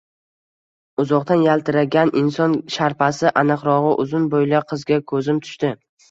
Uzoqdan yaltiragan inson sharpasi, aniqrog`i, uzun bo`yli qizga ko`zim tushdi